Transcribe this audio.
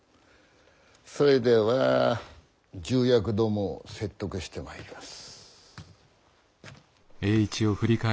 それでは重役どもを説得してまいります。